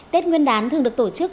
tết nguyên đán thường được tổ chức